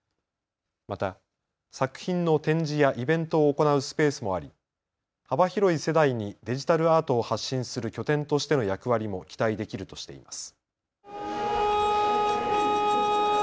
また作品の展示やイベントを行うスペースもあり、幅広い世代にデジタルアート発信する拠点としての役割も期待できるとしています。